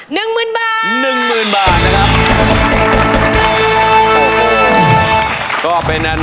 ๑หมื่นบาท